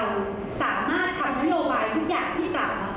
เราไม่ต้องย้ายประเทศแล้วค่ะ